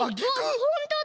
ほんとだ！